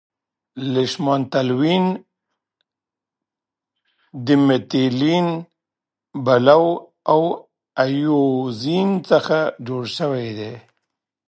لیشمان تلوین د میتیلین بلو او اییوزین څخه جوړ شوی دی.